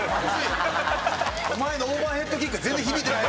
お前のオーバーヘッドキック全然響いてない。